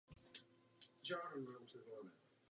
Spíše dobré, pokud máme věřit tomuto usnesení.